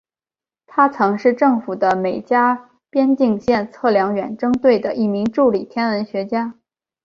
他曾是政府的美加边境线测量远征队的一名助理天文学家。